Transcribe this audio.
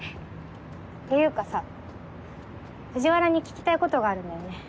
っていうかさ藤原に聞きたいことがあるんだよね。